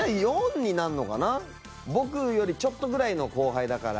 僕よりちょっとぐらいの後輩だから。